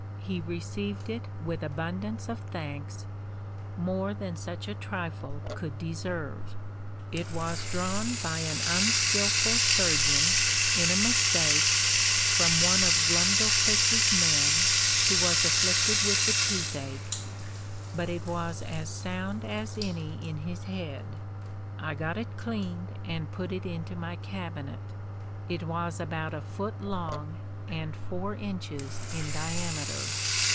He received it with abundance of thanks, more than such a trifle could deserve. It was drawn by an unskilful surgeon, in a mistake, from one of Glumdalclitch's men, who was afflicted with the toothache, but it was as sound as any in his head. I got it cleaned, and put it into my cabinet. It was about a foot long and four inches in diameter.